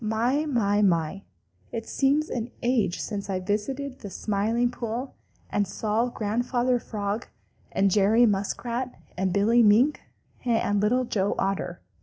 My, my, my, it seems an age since I visited the Smiling Pool and saw Grandfather Frog and Jerry Muskrat and Billy Mink and Little Joe Otter!